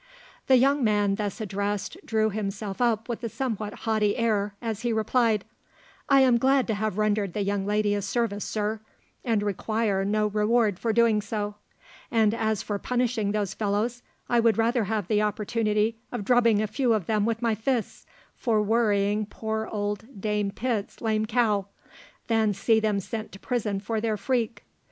The young man thus addressed drew himself up with a somewhat haughty air, as he replied, "I am glad to have rendered the young lady a service, sir, and require no reward for doing so; and as for punishing those fellows, I would rather have the opportunity of drubbing a few of them with my fists for worrying poor old Dame Pitt's lame cow, than see them sent to prison for their freak.